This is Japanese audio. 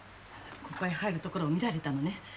ここへ入るところを見られたのね。